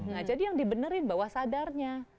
nah jadi yang dibenerin bawah sadarnya